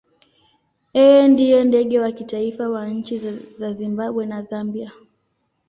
Yeye ndiye ndege wa kitaifa wa nchi za Zimbabwe na Zambia.